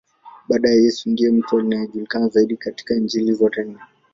Baada ya Yesu, ndiye mtu anayejulikana zaidi katika Injili zote nne.